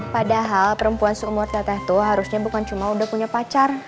padahal perempuan seumur teleteh tua harusnya bukan cuma udah punya pacar